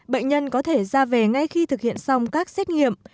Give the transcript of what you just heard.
bệnh nhân có thể ra về ngay khi thực hiện xong các xét nghiệm